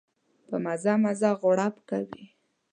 په مزه مزه غړپ کوي.